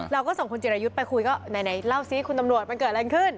เราก็ส่งคุณจิรายุทธ์ไปคุยก็ไหนเล่าสิคุณตำรวจมันเกิดอะไรขึ้น